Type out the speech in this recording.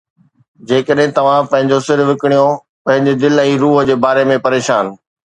جيڪڏھن توھان پنھنجو سر وڪڻيو، پنھنجي دل ۽ روح جي باري ۾ پريشان